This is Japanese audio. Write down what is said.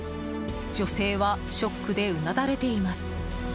女性はショックでうなだれています。